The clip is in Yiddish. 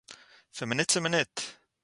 פון מינוט צו מינוט